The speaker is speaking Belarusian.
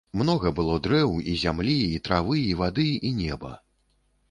Многа было дрэў, і зямлі, і травы, і вады, і неба.